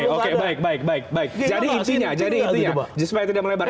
oke baik jadi intinya supaya tidak melebar